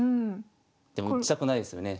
でも打ちたくないですよね。